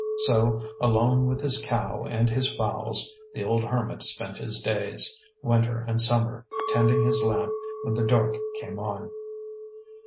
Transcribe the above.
So, alone with his cow and his fowls, the old hermit spent his days, winter and summer, tending his lamp when the dark came on.